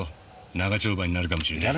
長丁場になるかもしれない。